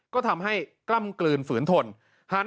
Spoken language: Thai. ก็ทำให้กล้ำกลืนฝืนทน